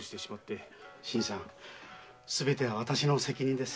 新さんすべては私の責任です。